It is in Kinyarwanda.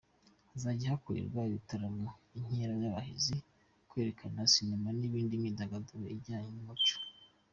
Hazajya hakorerwa ibitaramo, inkera z’abahizi, kwerekana sinema n’indi myidagaduro ijyanye n’umuco.